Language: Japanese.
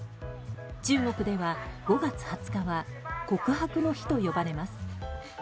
中国では、５月２０日は告白の日と呼ばれます。